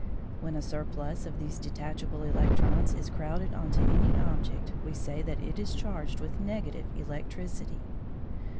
When a surplus of these detachable electrons is crowded on to any object, we say that it is charged with negative electricity.